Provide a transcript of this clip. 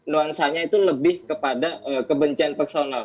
nuansanya itu lebih kepada kebencian personal